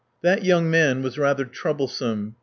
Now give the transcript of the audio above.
That young man was rather troublesome.